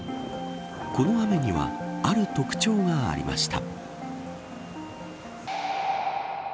この雨にはある特徴がありました。